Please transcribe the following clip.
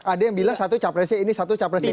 ada yang bilang satu capresnya ini satu capresnya itu